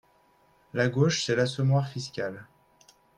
La gauche, c’est l’assommoir fiscal.